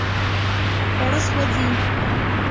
خواړه سوځي